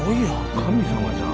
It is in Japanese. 神様じゃん。